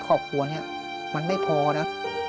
ครอบครัวนี้มันไม่พอนะ